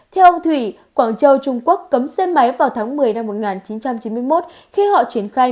theo ông thủy quảng châu trung quốc cấm xe máy vào tháng một mươi năm một nghìn chín trăm chín mươi một khi họ triển khai